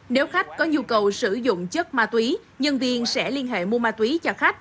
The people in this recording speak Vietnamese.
nếu khách có nhu cầu sử dụng chất ma túy nhân viên sẽ liên hệ mua ma túy cho khách